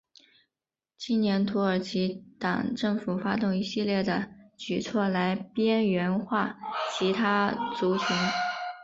青年土耳其党政府发动一系列的举措来边缘化其他族群。